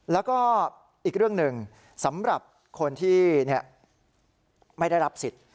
แล้วก็อีกเรื่องหนึ่งสำหรับคนที่ไม่ได้รับสิทธิ์